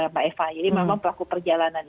mbak eva jadi memang pelaku perjalanan